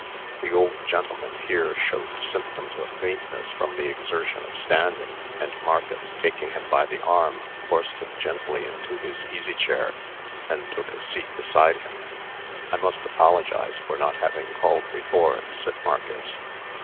The old gentleman here showed symptoms of faintness from the exertion of standing; and Marcus, taking him by the arm, forced him gently into his easy chair, and took a seat beside him. "I must apologize for not having called before," said Marcus.